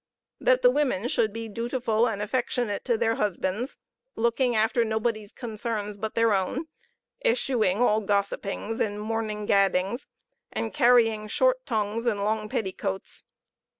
That the women should be dutiful and affectionate to their husbands looking after nobody's concerns but their own, eschewing all gossipings and morning gaddings, and carrying short tongues and long petticoats.